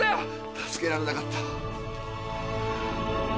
助けられなかった。